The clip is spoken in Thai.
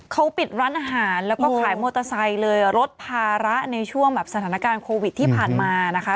เขาปิดร้านอาหารแล้วก็ขายมอเตอร์ไซค์เลยลดภาระในช่วงแบบสถานการณ์โควิดที่ผ่านมานะคะ